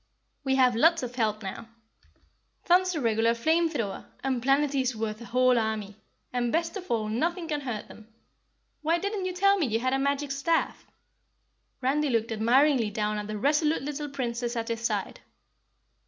We have lots of help now. Thun's a regular flame thrower and Planetty's worth a whole army, and best of all nothing can hurt them. Why didn't you tell me you had a magic staff?" Randy looked admiringly down at the resolute little Princess at his side.